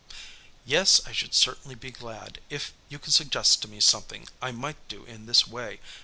"Yes, I should certainly be glad if you could suggest to me something I might do in this way.